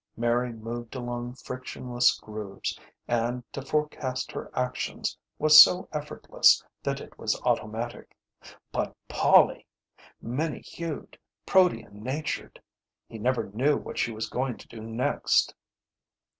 Mary moved along frictionless grooves, and to forecast her actions was so effortless that it was automatic. But Polly! many hued, protean natured, he never knew what she was going to do next.